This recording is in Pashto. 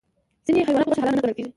د ځینې حیواناتو غوښه حلال نه ګڼل کېږي.